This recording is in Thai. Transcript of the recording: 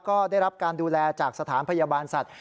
ก็ได้รับการดูแลจากสถานพยาบาลสัตว